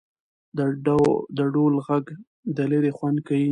د ډول ږغ د ليري خوند کيي.